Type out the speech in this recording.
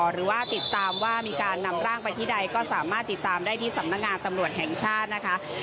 หรือว่าติดตามว่ามีการนำร่างไปที่ใดก็สามารถติดตามได้ที่สำนักงานตำรวจแห่งชาตินะคะ